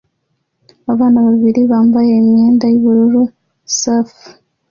Abana babiri bambaye imyenda yubururu surf